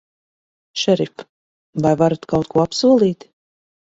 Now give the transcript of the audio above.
Šerif, vai varat kaut ko apsolīt?